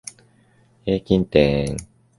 なんとか平均点を超えてひと安心